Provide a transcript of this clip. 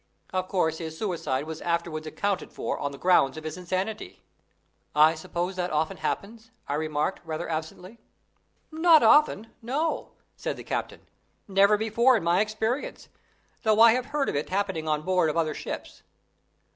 Of course his suicide was afterwards accounted for on the ground of his insanity." "I suppose that often happens?" I remarked, rather absently. "Not often no," said the captain; "never before in my experience, though I have heard of it happening on board of other ships.